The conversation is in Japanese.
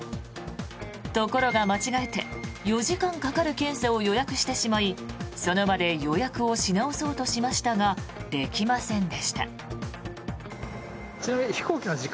ところが間違えて４時間かかる検査を予約してしまいその場で予約をし直そうとしましたができませんでした。